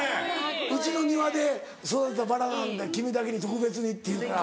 「うちの庭で育てたバラなんで君だけに特別に」って言うたら。